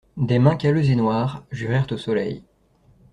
Des mains calleuses et noires jurèrent au soleil.